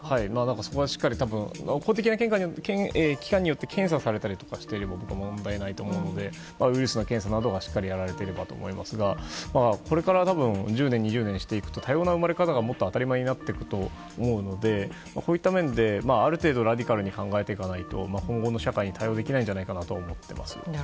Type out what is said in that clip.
そこはしっかり公的な機関によって検査されたりとかしていれば問題ないと思うのでウイルスの検査などはしっかりやられていればと思いますがこれから１０年、２０年していくと多様な生まれ方がもっと当たり前になっていくと思うのでこういった面で、ある程度ラジカルに考えていかないと今後の社会に対応できないんじゃないかなと思います。